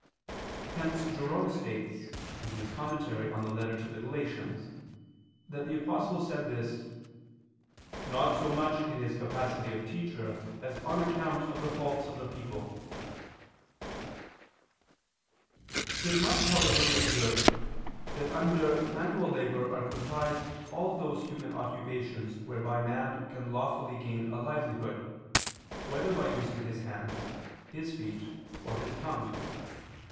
Hence Jerome states (Super epist. ad Galat. [*Preface to Bk. ii of Commentary]) that the Apostle said this "not so much in his capacity of teacher as on account of the faults of the people." It must, however, be observed that under manual labor are comprised all those human occupations whereby man can lawfully gain a livelihood, whether by using his hands, his feet, or his tongue.